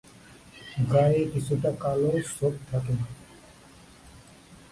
গায়ে কিছুটা কালো ছোপ থাকে।